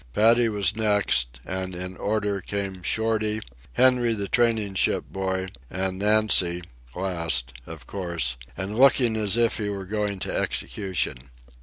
Paddy was next, and in order came Shorty, Henry the training ship boy, and Nancy, last, of course, and looking as if he were going to execution.